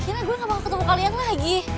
gila gue gak bakal ketemu kalian lagi